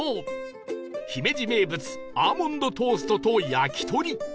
姫路名物アーモンドトーストと焼き鳥